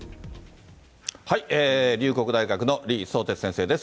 龍谷大学の李相哲先生です。